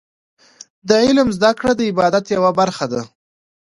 د علم زده کړه د عبادت یوه برخه ده.